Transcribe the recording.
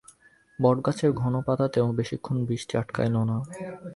বটগাছের ঘন পাতাতেও বেশিক্ষণ বৃষ্টি আটকাইল না।